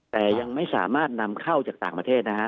แต่ยังไม่สามารถนำเข้าจากต่างประเทศนะฮะ